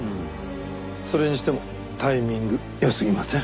それにしてもタイミング良すぎません？